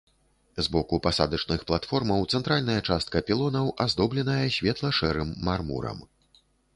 З боку пасадачных платформаў цэнтральная частка пілонаў аздобленая светла-шэрым мармурам.